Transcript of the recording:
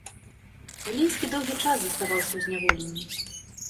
Глінскі доўгі час заставаўся ў зняволенні.